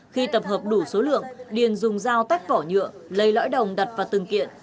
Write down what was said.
khi tập hợp đủ số lượng điền dùng dao tách vỏ nhựa lấy lõi đồng đặt vào từng kiện